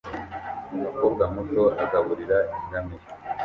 Umukobwa muto agaburira ingamiya